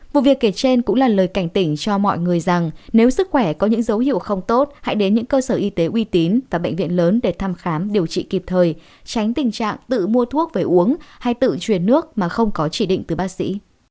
vụ việc kể trên cũng là lời cảnh tỉnh cho mọi người rằng nếu sức khỏe có những dấu hiệu không tốt hãy đến những cơ sở y tế uy tín và bệnh viện lớn để thăm khám điều trị kịp thời tránh tình trạng tự mua thuốc về uống hay tự chuyển nước mà không có chỉ định từ bác sĩ